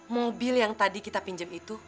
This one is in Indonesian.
mobil yang tadi kita pinjam itu